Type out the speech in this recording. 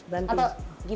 dan kalau untuk ambisi